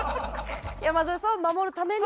山添さんを守るために。